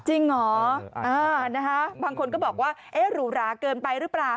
จริงเหรอบางคนก็บอกว่าเอ๊ะหรูหราเกินไปหรือเปล่า